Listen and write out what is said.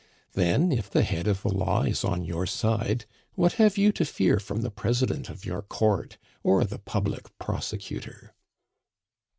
Then, if the head of the law is on your side, what have you to fear from the president of your Court or the public prosecutor?"